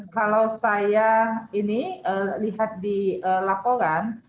kalau saya ini lihat di laporan